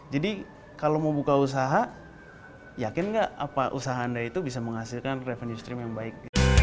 jadi kalau mau buka usaha yakin nggak usaha anda itu bisa menghasilkan revenue stream yang baik